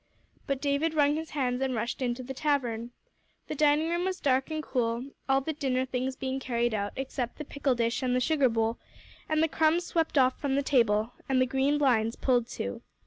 But David wrung his hands, and rushed into the tavern. The dining room was dark and cool, all the dinner things being carried out, except the pickle dish and the sugar bowl; and the crumbs swept off from the table, and the green blinds pulled to.